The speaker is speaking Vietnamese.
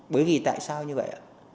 bởi vì tại sao như vậy